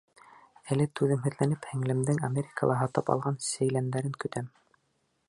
Әле түҙемһеҙләнеп һеңлемдең Америкала һатып алған сәйләндәрен көтәм.